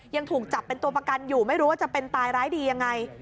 ยังถูกจับเป็นตัวประกันอยู่ไม่รู้ว่าจะเป็นตายร้ายดียังไง